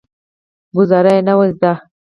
ګوزارا یې نه وه زده.